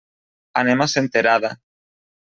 Anem a Senterada.